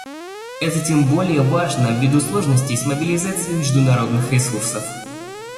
Это тем более важно ввиду сложностей с мобилизацией международных ресурсов.